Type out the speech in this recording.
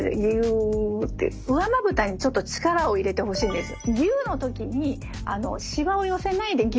上まぶたにちょっと力を入れてほしいんですよ。